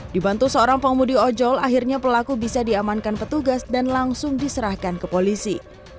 dibantu seorang pengemudi ojol akhirnya pelaku bisa diamankan petugas dan langsung diserahkan ke polisi